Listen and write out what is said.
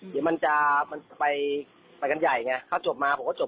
เดี๋ยวมันจะไปกันใหญ่ไงถ้าจบมาผมก็จบ